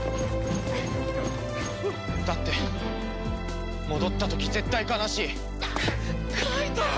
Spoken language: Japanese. だって戻った時絶対悲しい！か介人！